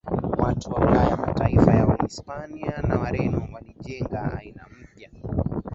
watu wa Ulaya Mataifa ya Wahispania na Wareno yalijenga aina mpya